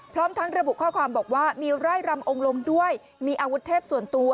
พร้อมทั้งระบุข้อความบอกว่ามีไร่รำองค์ลงด้วยมีอาวุธเทพส่วนตัว